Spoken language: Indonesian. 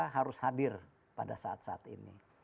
harus hadir pada saat saat ini